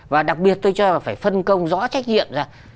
và đặc biệt tôi cho là phải phân công rõ trách nhiệm ra